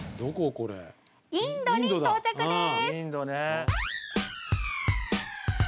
これインドに到着です